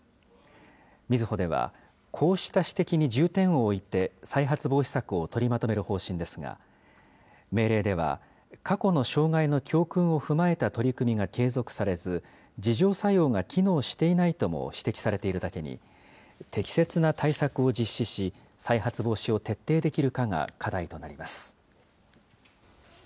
みずほでは、こうした指摘に重点を置いて、再発防止策を取りまとめる方針ですが、命令では、過去の障害の教訓を踏まえた取り組みが継続されず、自浄作用が機能していないとも指摘されているだけに、適切な対策を実施し、再発防止を徹底できるかが課題となります。